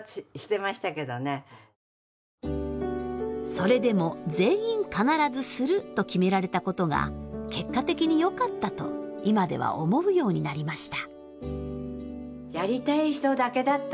それでも「全員必ずする」と決められたことが結果的によかったと今では思うようになりました。